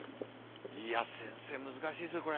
いや先生難しいですねこれ。